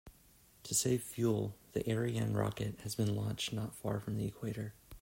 To save fuel, the Ariane rocket has been launched not far from the equator.